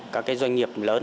các cái doanh nghiệp lớn